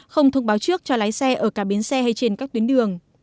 không thông báo trước cho lái xe ở cả biến xe hay trên các tuyến đường